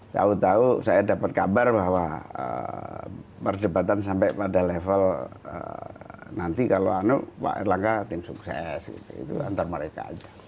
tahu tahu saya dapat kabar bahwa perdebatan sampai pada level nanti kalau pak erlangga tim sukses itu antar mereka aja